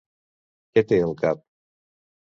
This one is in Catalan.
Què té al cap?